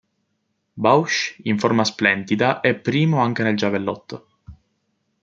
Bausch, in forma splendida, è primo anche nel giavellotto.